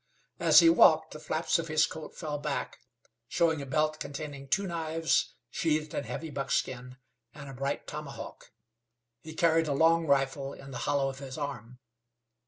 As he walked, the flaps of his coat fell back, showing a belt containing two knives, sheathed in heavy buckskin, and a bright tomahawk. He carried a long rifle in the hollow of his arm.